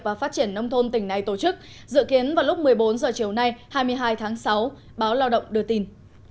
và phát triển nông thôn tỉnh này tổ chức dự kiến vào lúc một mươi bốn h chiều nay hai mươi hai tháng sáu báo lao động đưa tin